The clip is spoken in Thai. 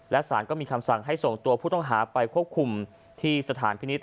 และสารก็มีคำสั่งให้ส่งตัวผู้ต้องหาไปควบคุมที่สถานพินิษฐ